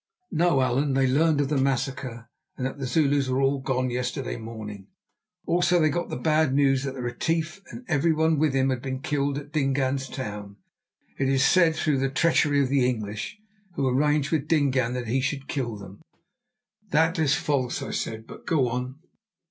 "No, Allan. They learned of the massacre and that the Zulus were all gone yesterday morning. Also they got the bad news that Retief and everyone with him had been killed at Dingaan's town, it is said through the treachery of the English, who arranged with Dingaan that he should kill them." "That is false," I said; "but go on."